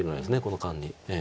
この間に。